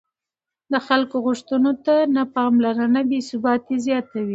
د خلکو غوښتنو ته نه پاملرنه بې ثباتي زیاتوي